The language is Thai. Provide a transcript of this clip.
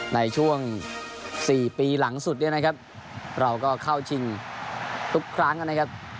ในช่วง๔ปีหลังสุดเนี่ยนะครับเราก็เข้าชิงทุกครั้งนะครับ